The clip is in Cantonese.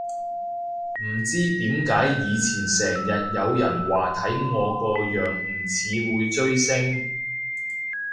唔知點解以前成日有人話睇我個樣唔似會追星